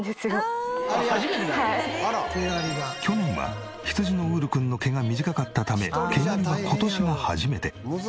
去年は羊のウール君の毛が短かったため毛刈りは今年が初めて。